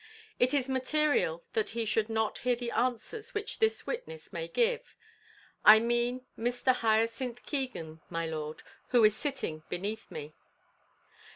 It is material that he should not hear the answers which this witness may give, I mean Mr. Hyacinth Keegan, my lord, who is sitting beneath me."